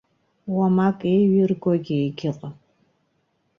Уамак еиҩыргогьы егьыҟам.